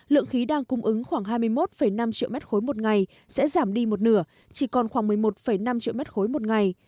lượng khí đang cung ứng khoảng hai mươi một năm triệu m ba một ngày sẽ giảm đi một nửa chỉ còn khoảng một mươi một năm triệu m ba một ngày